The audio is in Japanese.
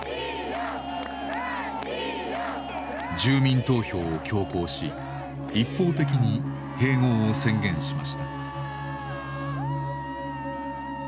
住民投票を強行し一方的に併合を宣言しました。